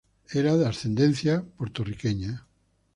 Era de ascendencia puertorriqueña.